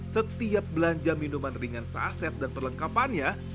setiap belanja minuman ringan saset dan perlengkapannya